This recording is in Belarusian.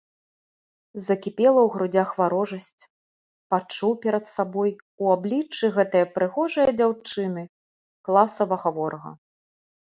Закіпела ў грудзях варожасць, пачуў перад сабой у абліччы гэтае прыгожае дзяўчыны класавага ворага.